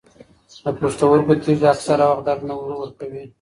د پښتورګو تېږې اکثره وخت درد نه ورکوي.